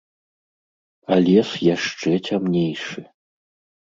А лес яшчэ цямнейшы.